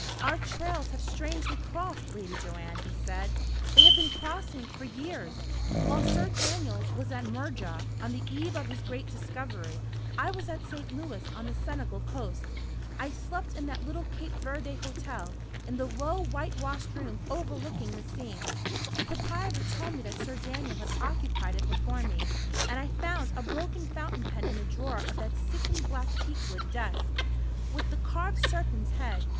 "Our trails have strangely crossed, Lady Joanne," he said. "They have been crossing for years. While Sir Daniel was at Murja, on the eve of his great discovery, I was at St. Louis on the Senegal coast. I slept in that little Cape Verde hotel, in the low whitewashed room overlooking the sea. The proprietor told me that Sir Daniel had occupied it before me, and I found a broken fountain pen in the drawer of that sickly black teakwood desk, with the carved serpent's head.